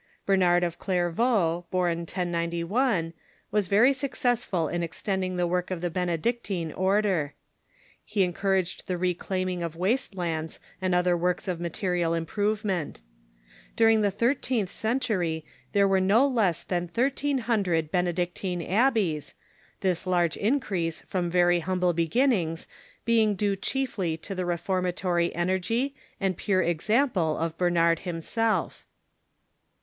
Bernard of Clairvaux, born 1091, Avas very successful in ex tending the work of the Benedictine order. lie en Bernard ^!•• r IT Tl 1 couraged the reclaiming or waste lands and other works of material improvement. During the thirteenth century there were no less than thirteen hundred Benedictine abbeys, this large increase from very humble beginnings being due chiefly to the reformatory energy and pure example of Bernard himself.